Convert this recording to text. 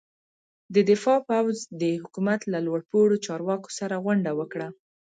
د دفاع پوځ د حکومت له لوړ پوړو چارواکو سره غونډه وکړه.